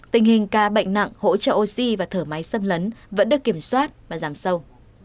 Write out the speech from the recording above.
tình hình ca bệnh nặng hỗ trợ oxy và thở máy xâm lấn vẫn được kiểm soát và giảm sâu